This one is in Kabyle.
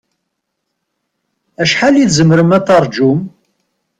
Acḥal i tzemrem ad taṛǧum?